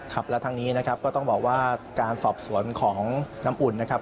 ครับและทั้งนี้นะครับก็ต้องบอกว่าการสอบสวนของน้ำอุ่นนะครับ